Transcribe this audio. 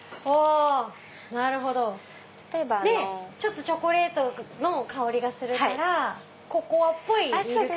なるほど！でチョコレートの香りがするからココアっぽいミルクティー。